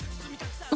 あ！